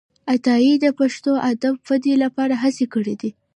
عطايي د پښتو ادب د ودې لپاره هڅي کړي دي.